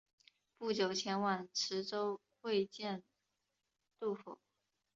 不久前往池州会见杜牧。